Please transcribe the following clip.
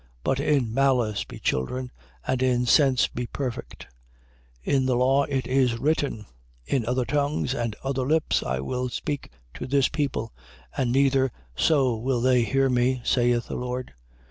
But in malice be children: and in sense be perfect. 14:21. In the law it is written: In other tongues and other lips I will speak to this people: and neither so will they hear me, saith the Lord.